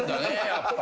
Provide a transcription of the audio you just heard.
やっぱ。